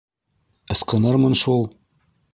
- Ысҡынырмын шул!